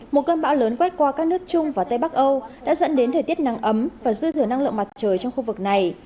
một cơn bão lớn quét qua các nước trung và tây bắc âu đã dẫn đến thời tiết nắng ấm và dư thừa năng lượng mặt trời trong khu vực này